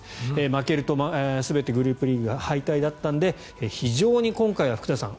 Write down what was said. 負けると全てグループリーグ敗退だったので非常に今回は福田さん